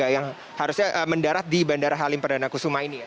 yang harusnya mendarat di bandara halim perdana kusuma ini ya